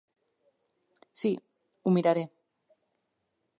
Sí, ho miraré.